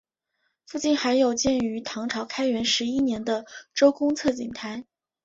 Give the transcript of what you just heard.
附近还有建于唐朝开元十一年的周公测景台。